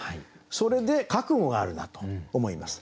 それで覚悟があるなと思います。